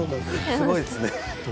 すごいですね。